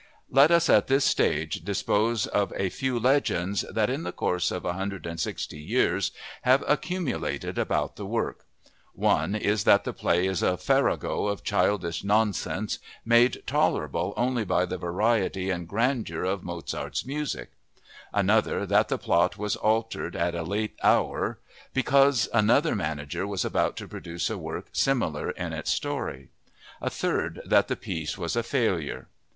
Let us at this stage dispose of a few legends that, in the course of 160 years, have accumulated about the work. One is that the play is a farrago of childish nonsense, made tolerable only by the variety and grandeur of Mozart's music; another, that the plot was altered at a late hour because another manager was about to produce a work similar in its story; a third, that the piece was a failure.